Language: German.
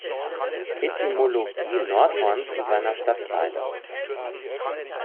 Etymologie Nordhorns und seiner Stadtteile.